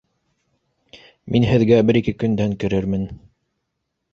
— Мин һеҙгә бер-ике көндән керермен